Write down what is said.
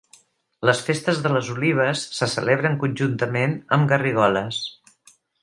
Les festes de les Olives se celebren conjuntament amb Garrigoles.